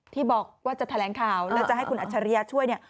ที่บอกว่าจะแถลงข่าวแล้วจะให้คุณอัจฉริยะช่วยเนี่ย